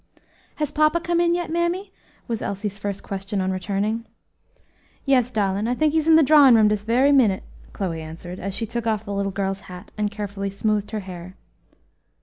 "Has papa come in yet, mammy?" was Elsie's first question on returning. "Yes, darlin', I tink he's in the drawin' room dis berry minute," Chloe answered, as she took off the little girl's hat, and carefully smoothed her hair.